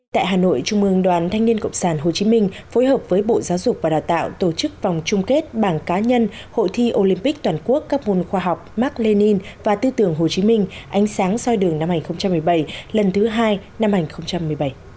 tại hà nội trung ương đoàn thanh niên cộng sản hồ chí minh phối hợp với bộ giáo dục và đào tạo tổ chức vòng chung kết bảng cá nhân hội thi olympic toàn quốc các môn khoa học mark lenin và tư tưởng hồ chí minh ánh sáng soi đường năm hai nghìn một mươi bảy lần thứ hai năm hai nghìn một mươi bảy